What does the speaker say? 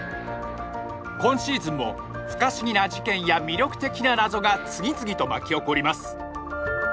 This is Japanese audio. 今シーズンも不可思議な事件や魅力的な謎が次々と巻き起こります